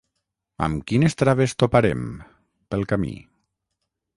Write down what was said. Amb quines traves toparem, pel camí?